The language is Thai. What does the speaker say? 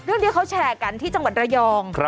ที่เขาแชร์กันที่จังหวัดระยอง